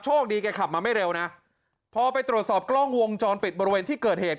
แกขับมาไม่เร็วนะพอไปตรวจสอบกล้องวงจรปิดบริเวณที่เกิดเหตุ